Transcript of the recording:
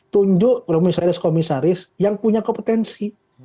tujuh komisaris komisaris yang punya lotasi kompetensi